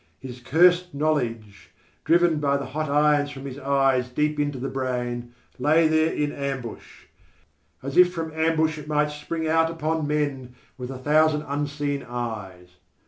His cursed knowledge, driven by the hot irons from his eyes deep into the brain, lay there in ambush; as if from ambush it might spring out upon men with a thousand unseen eyes.